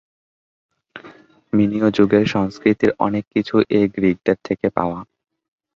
মিনীয় যুগের সংস্কৃতির অনেক কিছু এই গ্রিকদের থেকে পাওয়া।